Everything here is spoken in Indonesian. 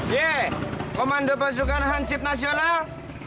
ye komando pasukan hansip nasional